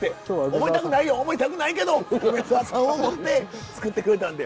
思いたくないよ思いたくないけど梅沢さんを思って作ってくれたんで。